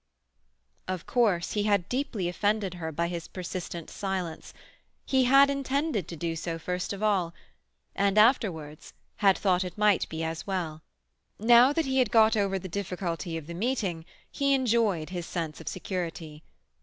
Of course he had deeply offended her by his persistent silence. He had intended to do so first of all; and afterwards—had thought it might be as well. Now that he had got over the difficulty of the meeting he enjoyed his sense of security.